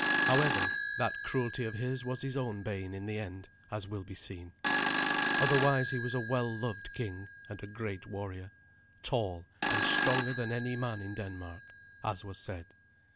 However, that cruelty of his was his own bane in the end, as will be seen. Otherwise he was a well loved king and a great warrior, tall, and stronger than any man in Denmark, as was said.